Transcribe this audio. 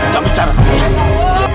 jangan bicara sama dia